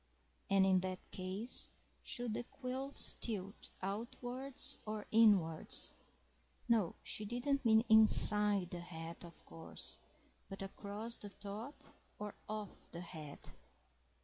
And in that case, should the quills tilt outwards or inwards? No, she didn't mean inside the hat, of course, but across the top or off the head?...